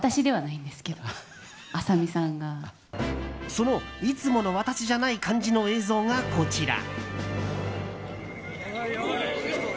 そのいつもの私じゃない感じの映像がこちら。